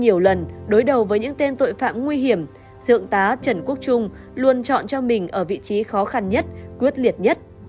nhiều lần đối đầu với những tên tội phạm nguy hiểm thượng tá trần quốc trung luôn chọn cho mình ở vị trí khó khăn nhất quyết liệt nhất